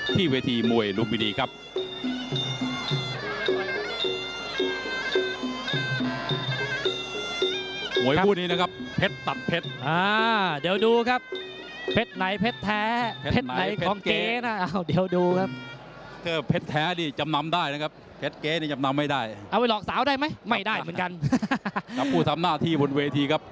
ที่เวทีมวยลุมพินีครับ